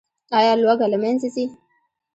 آیا لوږه له منځه ځي؟